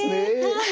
はい。